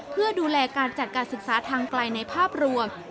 เพื่อดูแลการจัดการศึกษาทางไกลในภาพรวม